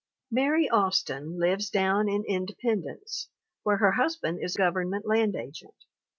"Mary Austin lives down in Independence, where her husband is Government land agent.